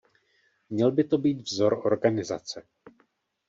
Měl by to být vzor organizace.